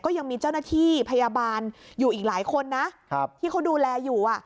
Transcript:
ยังมีเจ้าหน้าที่พยาบาลอยู่อีกหลายคนนะที่เขาดูแลอยู่